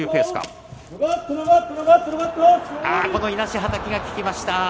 いなしはたきが効きました。